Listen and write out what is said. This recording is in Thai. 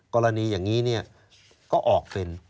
กรณีอย่างนี้ก็ออกเป็น